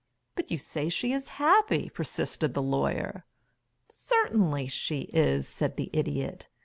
"But you say she is happy," persisted the Lawyer. "Certainly she is," said the Idiot.